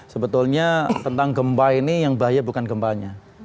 sebetulnya tentang gempa ini yang bahaya bukan gempanya